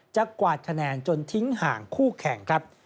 กวาดคะแนนจนทิ้งห่างคู่แข่งครับ